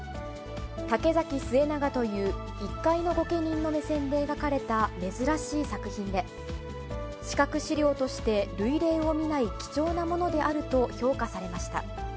竹崎季長という一介の御家人の目線で描かれた珍しい作品で、視覚資料として類例を見ない貴重なものであると評価されました。